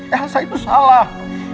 yang asal itu salah